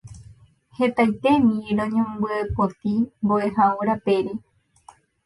Hetaitémi roñombyepoti mbo'ehao rapére.